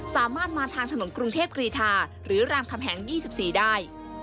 สามารถมาทางถนนกรุงเทพกรีธาหรือรามคำแหง๒๔ได้